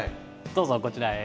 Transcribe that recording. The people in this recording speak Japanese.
どうぞこちらへ。